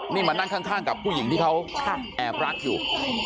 นี่มานั่งข้างกับผู้หญิงที่เขาแอบรักอยู่